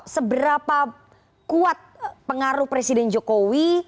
seberapa kuat pengaruh presiden jokowi